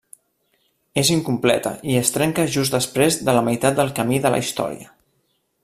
És incompleta i es trenca just després de la meitat del camí de la història.